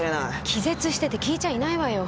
気絶してて聞いちゃいないわよ。